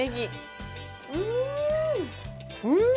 うん。